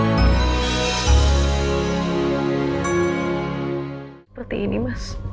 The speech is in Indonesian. seperti ini mas